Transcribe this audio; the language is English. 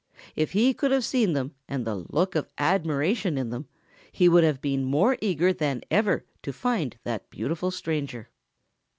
If he could have seen them and the look of admiration in them, he would have been more eager than ever to find that beautiful stranger.